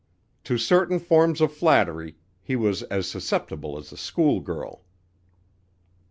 To certain forms of flattery he was as susceptible as a schoolgirl.